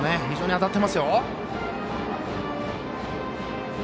非常に当たってますよ。